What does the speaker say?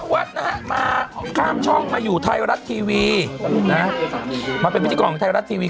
วัดนะฮะมาข้ามช่องมาอยู่ไทยรัฐทีวีนะมาเป็นพิธีกรของไทยรัฐทีวี